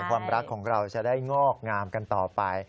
ความรักของเราจะได้งอกงามกันต่อไป